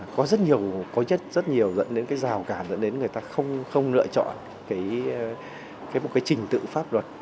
có rất nhiều có chất rất nhiều dẫn đến cái rào cản dẫn đến người ta không lựa chọn một cái trình tự pháp luật